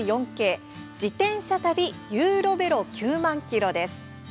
「自転車旅ユーロヴェロ９００００キロ」です。